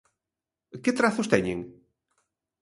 Que trazos teñen?